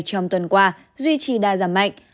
trong tuần qua duy trì đa giảm mạnh